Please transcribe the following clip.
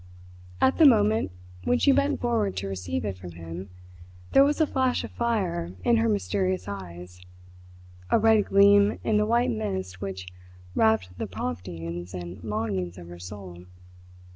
At the moment when she bent forward to receive it from him, there was a flash of fire in her mysterious eyes a red gleam in the white mist which wrapped the promptings and longings of her soul.